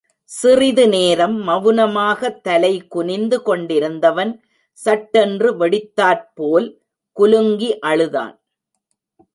சிறிது நேரம் மவுனமாக தலை குனிந்து கொண்டிருந்தவன் சட்டென்று வெடித்தாற்போல் குலுங்கி அழுதான்.